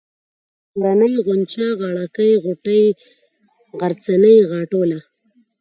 غرنۍ ، غونچه ، غاړه كۍ ، غوټۍ ، غرڅنۍ ، غاټوله